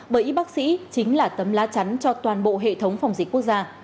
bởi y bác sĩ chính là tấm lá chắn cho toàn bộ hệ thống phòng dịch quốc gia